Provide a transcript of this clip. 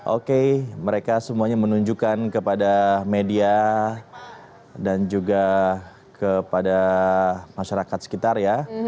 oke mereka semuanya menunjukkan kepada media dan juga kepada masyarakat sekitar ya